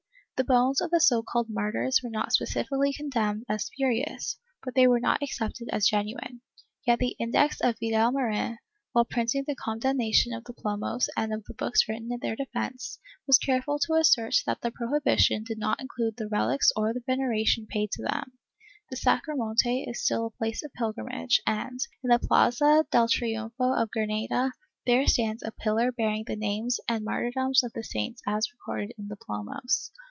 The bones of the so called martyrs were not specifically condemned as spurious, but they were not accepted as genuine, yet the Index of Vidal Marin, while printing the condemnation of the plomos and of the books written in their defence, was careful to assert that the prohibition did not include the relics or the veneration paid to them ; the Sacromonte is still a place of pilgrimage and, in the Plaza del Triunfo of Granada, there stands a pillar bearing the names and martyrdoms of the saints as recorded in the plomos.